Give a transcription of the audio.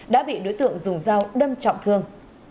đã bị đối tượng dùng dao đâm trọng thương